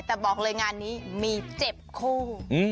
แต่บอกเลยงานนี้มี๗คู่